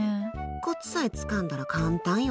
コツさえつかんだら簡単よ。